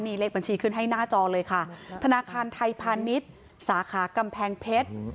นี่เลขบัญชีขึ้นให้หน้าจอเลยค่ะธนาคารไทยพาณิชย์สาขากำแพงเพชร